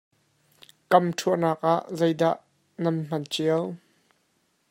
Kam ṭhuahnak ah zei dah nan hman cio?